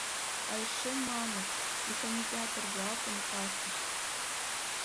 А эше маныт: «Механизатор-влакын касышт!»